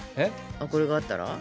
あっこれがあったら？